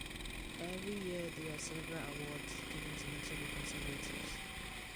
Every year there are several awards given to notable conservatives.